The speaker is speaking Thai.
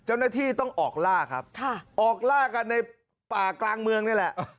เจ้าหน้าที่ต้องออกล่าครับออกล่ากันในป่ากลางเมืองนี่แหละ